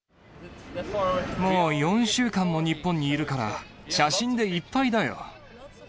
もう４週間も日本にいるから、写真でいっぱいだよ。